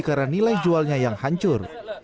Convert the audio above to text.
karena nilai jualnya yang hancur